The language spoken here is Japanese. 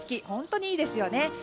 本当にいいですよね。